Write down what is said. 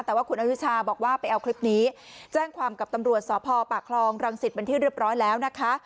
แต่ว่าคุณอนุชาบอกว่าไปเอาคลิปนี้แจ้งความกับตำรวจสพปากคลองรังสิตเป็นที่เรียบร้อยแล้วนะคะ